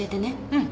うん。